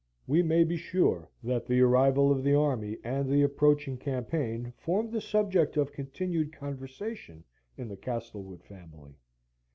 We may be sure that the arrival of the army and the approaching campaign formed the subject of continued conversation in the Castlewood family.